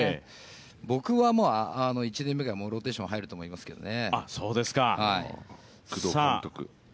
僕はもう１年目からローテーションに入ると思いますけどね。